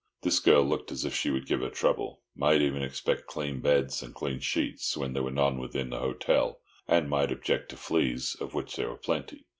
This girl looked as if she would give trouble; might even expect clean beds and clean sheets when there were none within the hotel, and might object to fleas, of which there were plenty.